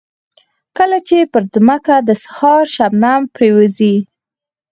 کله چې پر ځمکه د سهار شبنم پرېوځي.